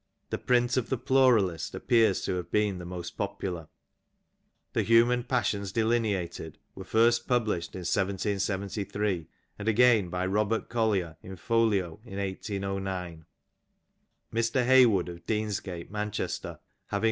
The print of "The Pluralist"'' appears to have been the most popular. The Human Passions Delineated were first published in ] 773, and again by Robert Collier in folio in 1809. Mr. Hey wood of Deansgate, Manchester, having